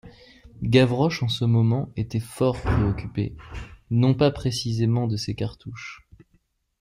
Gavroche en ce moment était fort préoccupé, non pas précisément de ses cartouches.